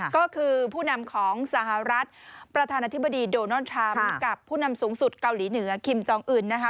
ก็คือผู้นำของสหรัฐประธานาธิบดีโดนัลด์ทรัมป์กับผู้นำสูงสุดเกาหลีเหนือคิมจองอื่นนะคะ